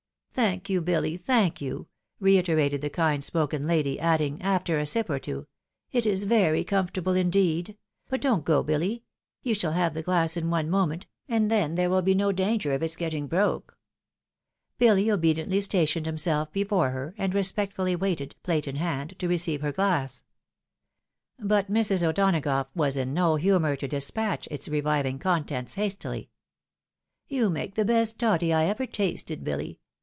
" Thank you, BiUy, thank you !" reiterated the kind spoken lady, adding, after a sip or two, " It is very comfortable in&eed ! But don't go, BiUy ; you shall have the glass in one moment, and then there will be no danger of its getting broke." BiUy obediently stationed himself before her, and resp3ct fiiUy waited, plate in hand, to receive her glass. But Mrs. O 'Donagough was in no humour to despatch its reviving contents hastily. " You make the best toddy I ever tasted, BiUy.